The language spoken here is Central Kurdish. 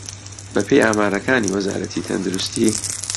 بەپێی ئامارەکانی وەزارەتی تەندروستی